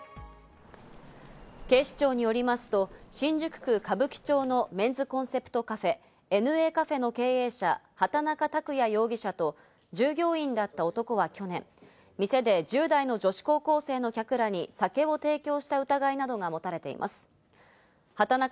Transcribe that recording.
警視庁によりますと、新宿区歌舞伎町のメンズコンセプトカフェ、ＮＡカフェの経営者・畑中卓也容疑者と従業員だった男は去年、店で１０代の女子高校生の客らに酒を提供した疑いなどがもたれています。